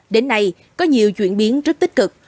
đến nay có nhiều chuyển biến rất tích cực